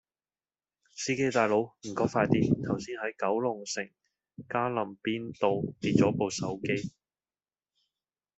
司機大佬唔該快啲，頭先喺九龍城嘉林邊道跌左部手機